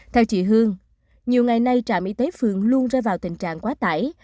theo chị hương nhiều ngày nay trạm y tế phường luôn rơi vào tình trạng quá tải